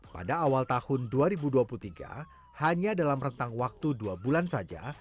pada awal tahun dua ribu dua puluh tiga hanya dalam rentang waktu dua bulan saja